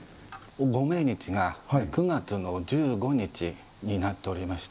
ご命日が９月の１５日になっておりまして。